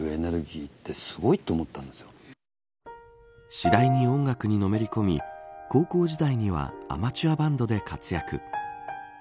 次第に音楽にのめり込み高校時代にはアマチュアバンドで活躍。